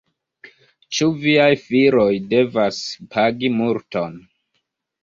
Ĉu viaj filoj devas pagi multon?